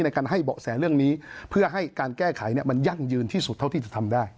ในการให้เบาะแสเรื่องนี้เพื่อให้การแก้ไขมันยั่งยืนที่สุดเท่าที่จะทำได้